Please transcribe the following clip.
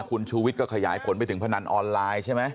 คุณชูวิทย์ก็ขยายผลไปถึงพนันออนไลน์ใช่ไหม